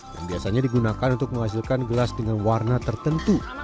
yang biasanya digunakan untuk menghasilkan gelas dengan warna tertentu